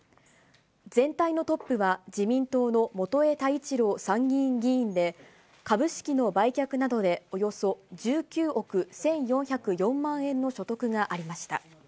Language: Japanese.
全体のトップは、自民党の元栄太一郎参議院議員で、株式の売却などで、およそ１９億１４０４万円の所得がありました。